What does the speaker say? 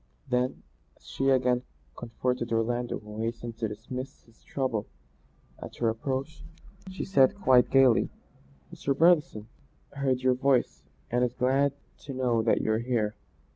Then, as she again confronted Orlando who hastened to dismiss his trouble at her approach, she said quite gaily, "Mr. Brotherson heard your voice, and is glad to know that you're here.